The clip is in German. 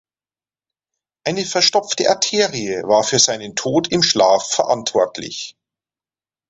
Eine verstopfte Arterie war für seinen Tod im Schlaf verantwortlich.